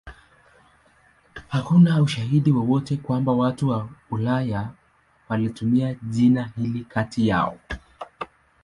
Hakuna ushahidi wowote kwamba watu wa Ulaya walitumia jina hili kati yao.